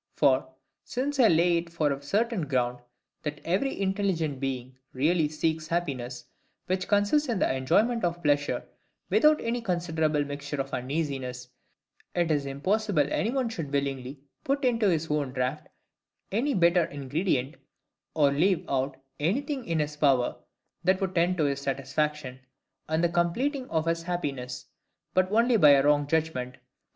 For, since I lay it for a certain ground, that every intelligent being really seeks happiness, which consists in the enjoyment of pleasure, without any considerable mixture of uneasiness; it is impossible any one should willingly put into his own draught any bitter ingredient, or leave out anything in his power that would tend to his satisfaction, and the completing of his happiness, but only by a WRONG JUDGMENT.